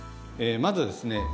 まずはですね